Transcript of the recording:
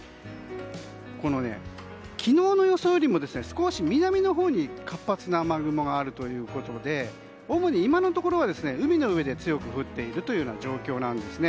昨日の予想よりも少し南のほうに活発な雨雲があるということで主に今のところは海の上で強く降っているような状況なんです。